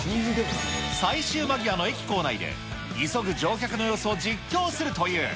最終間際の駅構内で、急ぐ乗客の様子を実況するという。